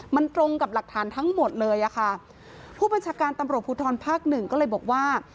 มันตรงกับหลักฐานทั้งหมดเลยอ่ะค่ะผู้บัญชาการตำรวจภูทรภาคหนึ่งก็เลยบอกว่า